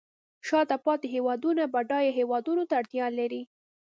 شاته پاتې هیوادونه بډایه هیوادونو ته اړتیا لري